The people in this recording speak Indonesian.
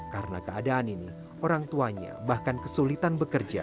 karena keadaan ini orang tuanya bahkan kesulitan bekerja